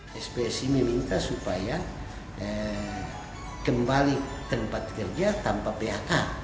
mereka juga mencari manajemen untuk kembali tempat kerja tanpa bha